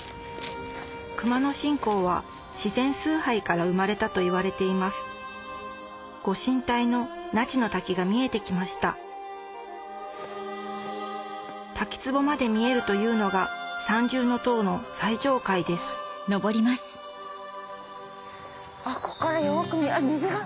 熊野信仰は自然崇拝から生まれたといわれていますご神体の那智の滝が見えてきました滝つぼまで見えるというのが三重塔の最上階ですこっからよく見え虹が！